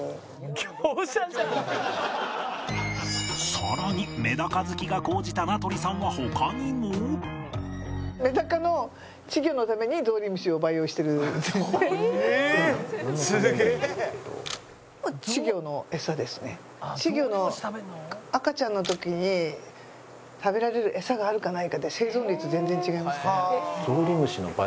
さらにメダカ好きが高じた名取さんは他にも稚魚の赤ちゃんの時に食べられるエサがあるかないかで生存率全然違います。